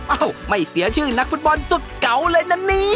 เอ้าไม่เสียชื่อนักฟุตบอลสุดเก่าเลยนะเนี่ย